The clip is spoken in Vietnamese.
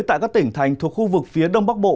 tại các tỉnh thành thuộc khu vực phía đông bắc bộ